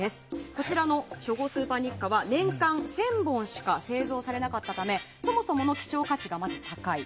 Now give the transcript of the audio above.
こちらの初号スーパーニッカは年間１０００本しか製造されなかったためそもそもの希少価値がまず高い。